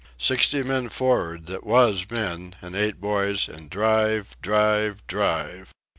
Sixty men for'ard that was men, an' eight boys, an' drive! drive! drive!